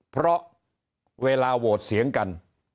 เพราะเวลาโหวตเสียงกัน